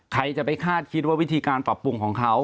ใครจะไปคาดคิดว่าวิธีการปรับปรุงของเขา